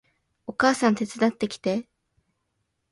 お母さん手伝ってきて